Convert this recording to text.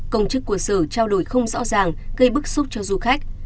công chức của sở trao đổi không rõ ràng gây bức xúc cho du khách